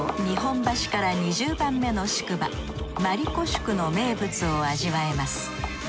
日本橋から２０番目の宿場丸子宿の名物を味わえます。